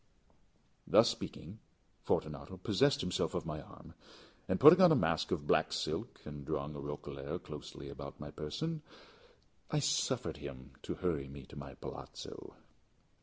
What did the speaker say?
Thus speaking, Fortunato possessed himself of my arm. Putting on a mask of black silk, and drawing a roquelaire closely about my person, I suffered him to hurry me to my palazzo.